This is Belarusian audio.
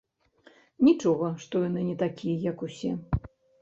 Нічога, што яны не такія, як усе.